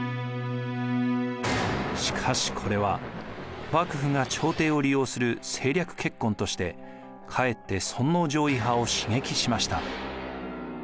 しかしこれは幕府が朝廷を利用する政略結婚としてかえって尊王攘夷派を刺激しました。